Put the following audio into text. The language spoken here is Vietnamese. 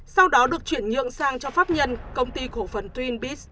sau đó được chuyển nhượng sang cho pháp nhân công ty cổ phần twin peaks